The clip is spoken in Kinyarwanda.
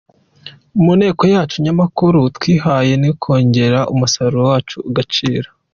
Mu ntego yacu nyamukuru twihaye ni ukongerera umusaruro wacu agaciro.